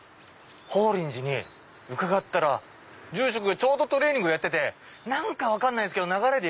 法輪寺に伺ったら住職がちょうどトレーニングやってて何か分かんないっすけど流れで。